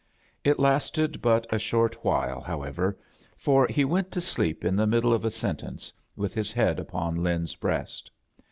It lasted but a short while, how ever, for he went to sleep in the middle of a sentence, with his head upon Lin's breast.